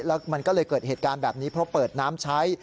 แล้วมันก็เลยเกิดเหตุการณ์แบบนี้เพราะเปิดน้ำใช้